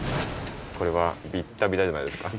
これはビッタビタじゃないですか。